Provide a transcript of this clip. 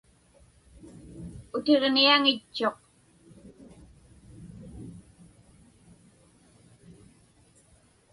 Utiġniaŋitchuq.